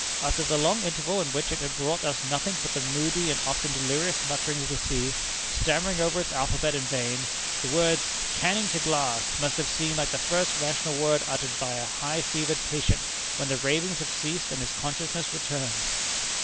After the long interval in which it had brought us nothing but the moody and often delirious mutterings of the sea, stammering over its alphabet in vain, the words 'Canning to Glass' must have seemed like the first rational word uttered by a high fevered patient, when the ravings have ceased and his consciousness returns."